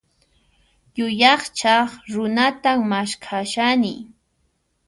Yuyaychaq runatan maskhashani.